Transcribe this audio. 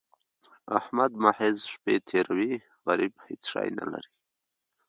احمد محض شپې تېروي؛ غريب هيڅ شی نه لري.